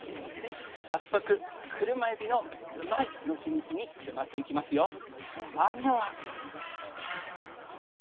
早速クルマエビのうまいッ！のヒミツに迫っていきますよ。